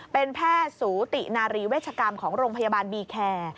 เป็นแพทย์สูตินารีเวชกรรมของโรงพยาบาลบีแคร์